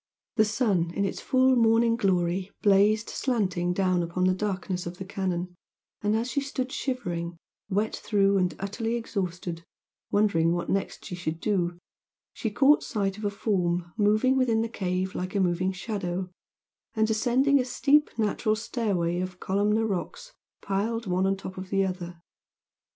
The sun in its full morning glory blazed slanting down upon the darkness of the canon, and as she stood shivering, wet through and utterly exhausted, wondering what next she should do, she caught sight of a form moving within the cave like a moving shadow, and ascending a steep natural stairway of columnar rocks piled one on top of the other.